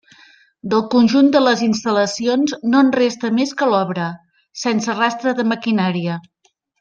Del conjunt de les instal·lacions no en resta més que l'obra, sense rastre de maquinària.